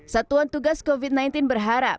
satuan tugas covid sembilan belas berharap